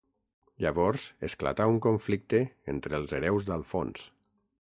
Llavors esclatà un conflicte entre els hereus d'Alfons.